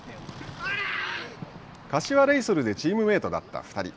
柏レイソルでチームメートだった２人。